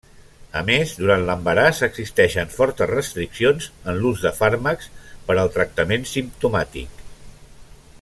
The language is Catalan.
A més durant l'embaràs existeixen fortes restriccions en l'ús de fàrmacs per al tractament simptomàtic.